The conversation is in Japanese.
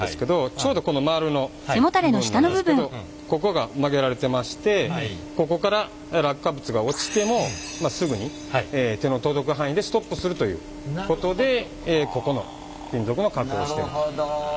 ちょうどこのまるの部分なんですけどここが曲げられてましてここから落下物が落ちてもすぐに手の届く範囲でストップするということでここの金属の加工をしてるということです。